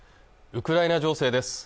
ウクライナ情勢です